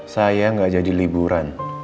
saya gak jadi liburan